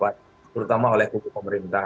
terutama oleh kubu pemerintah